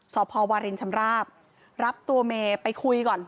สพวารินชำราบรับตัวเมย์ไปคุยก่อน